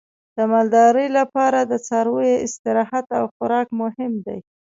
د مالدارۍ لپاره د څارویو استراحت او خوراک مهم دی.